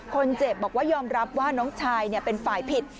คนเจ็บบอกว่ายอมรับว่าน้องชายเป็นฝ่ายผิด